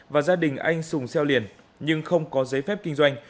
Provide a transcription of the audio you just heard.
và gia đình anh sùng xeo liền nhưng không có giấy phép kinh doanh